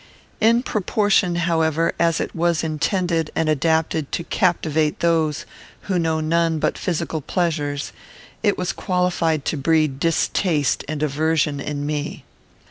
In proportion, however, as it was intended and adapted to captivate those who know none but physical pleasures, it was qualified to breed distaste and aversion in me.